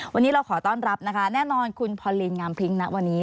วันนี้เราขอต้อนรับนะคะแน่นอนคุณพอลินงามพริ้งณวันนี้